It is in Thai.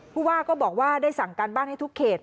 ผู้ว่าก็บอกว่าได้สั่งการบ้านให้ทุกเขต